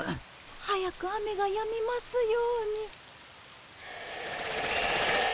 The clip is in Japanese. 早く雨がやみますように。